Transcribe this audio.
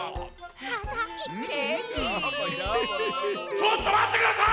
ちょっとまってください！